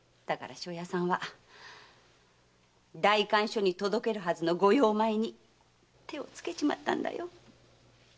だから庄屋さんは代官所に届けるはずの御用米に手を付けちまったんだよ。